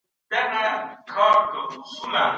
ايا سياست په رښتيا هم يو علم دی؟